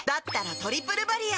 「トリプルバリア」